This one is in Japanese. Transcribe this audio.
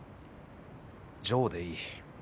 ジョーでいい。